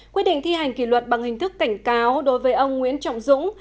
quyết định thi hành kỷ luật bằng hình thức cảnh cáo đối với ông nguyễn trọng dũng